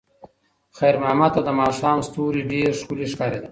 خیر محمد ته د ماښام ستوري ډېر ښکلي ښکارېدل.